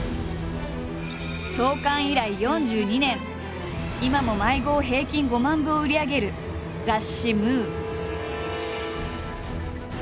創刊以来４２年今も毎号平均５万部を売り上げる雑誌「ムー」。